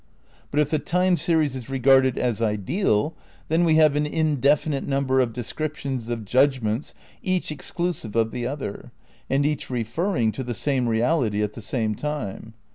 "But if the time series is reg arded as ideal, then we have an indefinite number of descriptions of judgments each exclusive of the other, and each referring to the same reality at the same time.